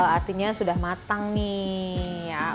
artinya sudah matang nih